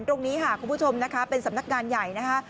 ตรงนี้ค่ะคุณผู้ชมนะคะเป็นสำนักงานใหญ่นะคะ